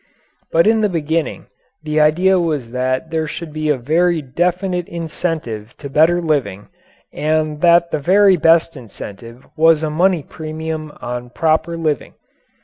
But in the beginning the idea was that there should be a very definite incentive to better living and that the very best incentive was a money premium on proper living.